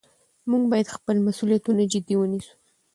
موږ باید خپل مسؤلیتونه جدي ونیسو